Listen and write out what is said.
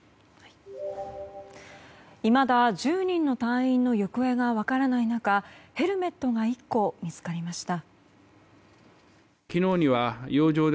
いまだ、１０人の隊員の行方が分からない中ヘルメットが１個見つかりました。